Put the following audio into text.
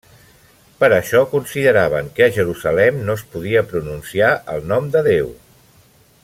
Per això consideraven que a Jerusalem no es podia pronunciar el nom de Déu.